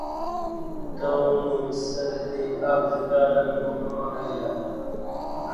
توم مسلي أكثر من ماريا.